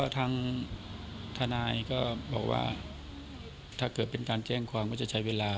ทางทนายก็บอกว่าถ้าเกิดเป็นการแจ้งความก็จะใช้เวลา